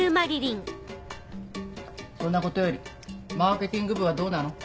そんなことよりマーケティング部はどうなの？